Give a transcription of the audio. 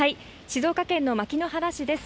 静岡県の牧之原市です。